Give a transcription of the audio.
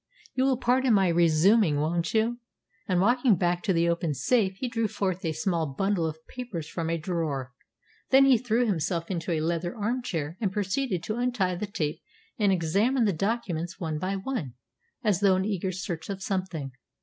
You will pardon my resuming, won't you?" And walking back to the open safe, he drew forth a small bundle of papers from a drawer. Then he threw himself into a leather arm chair, and proceeded to untie the tape and examine the documents one by one, as though in eager search of something.